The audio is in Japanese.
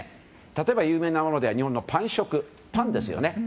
例えば有名なものでは日本のパン食、パンですよね。